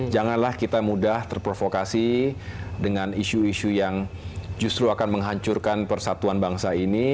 janganlah kita mudah terprovokasi dengan isu isu yang justru akan menghancurkan persatuan bangsa ini